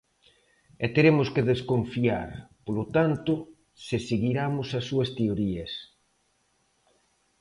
E teremos que desconfiar, polo tanto, se seguiramos as súas teorías.